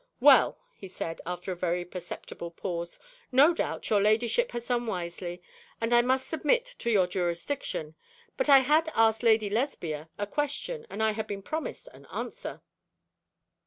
'Well,' he said, after a very perceptible pause, 'no doubt your ladyship has done wisely, and I must submit to your jurisdiction. But I had asked Lady Lesbia a question, and I had been promised an answer.'